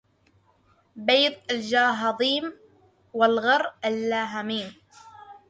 بيض الجهاضيم والغر اللهاميم